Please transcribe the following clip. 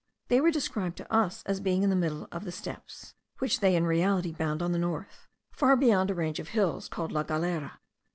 They were described to us as being in the middle of the steppes (which they in reality bound on the north) far beyond a range of hills called La Galera.